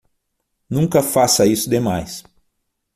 Nunca faça isso demais.